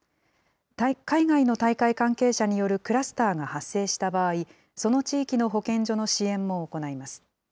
海外の大会関係者によるクラスターが発生した場合、その地域の保健所の支援も行います。